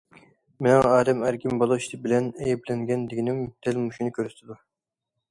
مېنىڭ ئادەم ئەركىن بولۇش بىلەن ئەيىبلەنگەن دېگىنىم دەل مۇشۇنى كۆرسىتىدۇ.